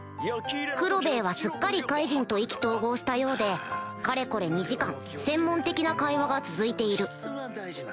クロベエはすっかりカイジンと意気投合したようでかれこれ２時間専門的な会話が続いている